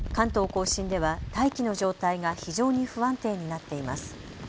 甲信では大気の状態が非常に不安定になっています。